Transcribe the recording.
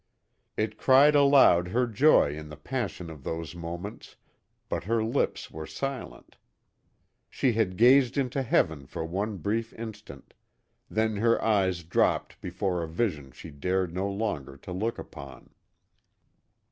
It cried aloud her joy in the passion of those moments, but her lips were silent. She had gazed into heaven for one brief instant, then her eyes dropped before a vision she dared no longer to look upon.